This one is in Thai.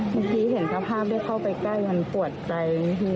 เมื่อกี้เห็นสภาพได้เข้าไปใกล้มันปวดใจ